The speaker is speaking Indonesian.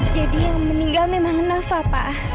jadi yang meninggal memang nafal pak